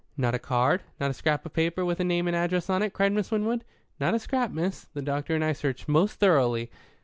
"Not a card, not a scrap of paper with a name and address on it?" cried Miss Winwood. "Not a scrap, miss. The doctor and I searched most thoroughly."